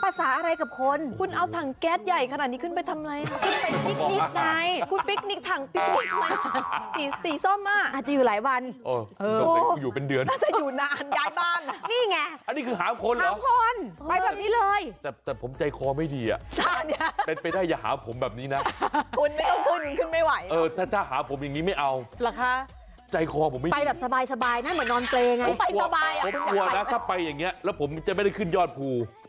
ไปสบายหรอคุณอยากไปหรือเปล่าผมกลัวนะถ้าไปอย่างนี้แล้วผมจะไม่ได้ขึ้นยอดภูมิ